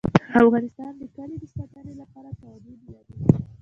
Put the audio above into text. افغانستان د کلي د ساتنې لپاره قوانین لري.